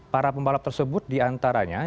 para pembalap tersebut diantaranya